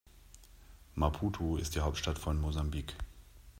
Maputo ist die Hauptstadt von Mosambik.